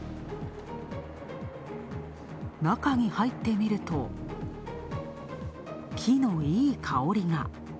中に入ってみると、木のいい香りが。